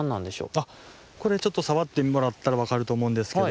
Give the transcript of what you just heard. あっこれちょっとさわってもらったらわかるとおもうんですけど。